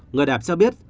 người đẹp cho biết